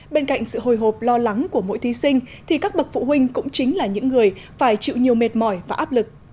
bên cạnh sự hồi hộp lo lắng của mỗi thí sinh thì các bậc phụ huynh cũng chính là những người phải chịu nhiều mệt mỏi và áp lực